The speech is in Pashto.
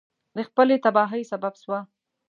د خپلې تباهی سبب سوه.